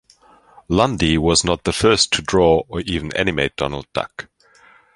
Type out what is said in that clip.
Lundy was not the first to draw or even animate Donald Duck.